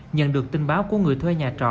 nhận được tin báo của người thuê nhà trọ